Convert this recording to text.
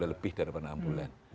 sudah lebih daripada enam bulan